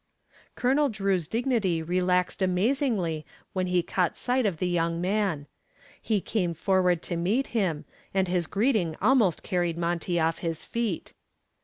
Colonel Drew's dignity relaxed amazingly when he caught sight of the young man. He came forward to meet him and his greeting almost carried Monty off his feet.